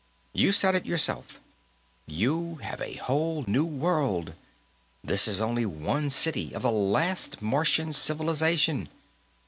You said it, yourself; you have a whole new world. This is only one city, of the last Martian civilization.